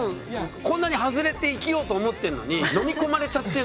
こんなに外れて生きようと思ってんのに飲み込まれちゃってる時ありますよね。